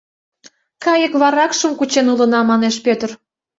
— Кайык варакшым кучен улына, — манеш Пӧтыр.